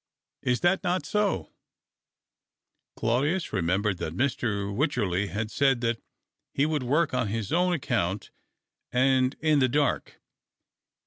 Is that not so ?" Claudius remembered that Mr. Wycherley had said that he would work on his own account and in the dark.